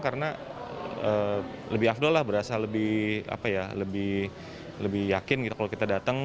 karena lebih afdolah berasa lebih yakin kalau kita datang